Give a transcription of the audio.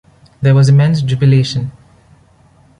There was immense jubilation.